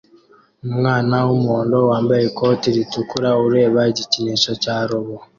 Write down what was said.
Umwana wumuhondo wambaye ikoti ritukura ureba igikinisho cya robo